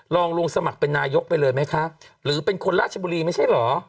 ลองลงสมัครเป็นนายกไปเลยไหมคะหรือเป็นคนราชบุรีไม่ใช่เหรอ